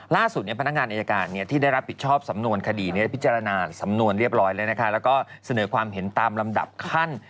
พนักงานอายการที่ได้รับผิดชอบสำนวนคดีได้พิจารณาสำนวนเรียบร้อยแล้วนะคะแล้วก็เสนอความเห็นตามลำดับขั้น